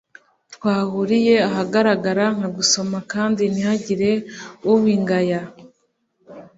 twahuriye ahagaragara nkagusoma, kandi ntihagire ubingaya